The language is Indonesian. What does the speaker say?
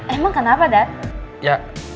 emang kenapa dad